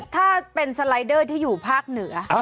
ถ้าเป็นสไลเดอร์ที่อยู่ภาคเหนือ